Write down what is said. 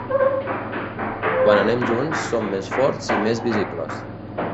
Quan anem junts som més forts i més visibles.